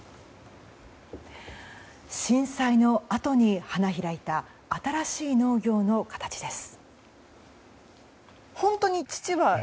震災のあとに花開いた新しい農業の形です。